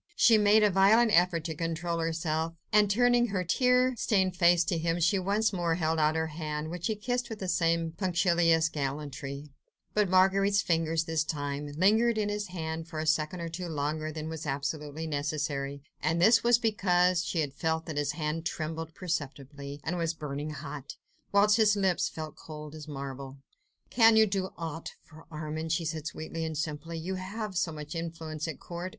She made a violent effort to control herself, and turning her tear stained face to him, she once more held out her hand, which he kissed with the same punctilious gallantry; but Marguerite's fingers, this time, lingered in his hand for a second or two longer than was absolutely necessary, and this was because she had felt that his hand trembled perceptibly and was burning hot, whilst his lips felt as cold as marble. "Can you do aught for Armand?" she said sweetly and simply. "You have so much influence at court